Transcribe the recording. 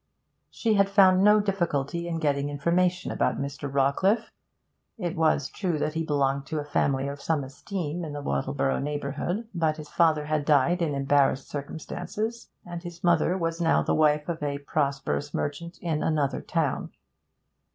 She had found no difficulty in getting information about Mr. Rawcliffe. It was true that he belonged to a family of some esteem in the Wattleborough neighbourhood, but his father had died in embarrassed circumstances, and his mother was now the wife of a prosperous merchant in another town.